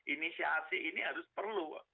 inisiasi ini harus perlu